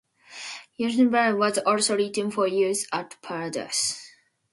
"Unsere Volksmarine" was also written for use at parades.